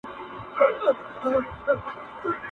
بې حیا یم، بې شرفه په وطن کي